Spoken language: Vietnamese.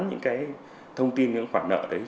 những cái thông tin những khoản nợ đấy